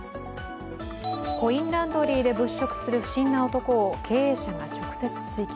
コインランドリーで物色する不審な男を経営者が直接追及。